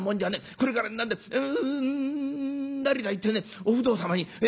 これから何だ成田行ってねお不動様に。